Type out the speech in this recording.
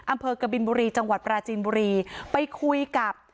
อำเภอกบินบุรีจังหวัดปราจีนบุรีไปคุยกับ